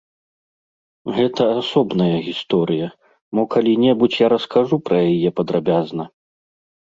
Гэта асобная гісторыя, мо калі-небудзь я раскажу пра яе падрабязна.